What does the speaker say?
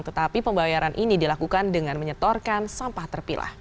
tetapi pembayaran ini dilakukan dengan menyetorkan sampah terpilah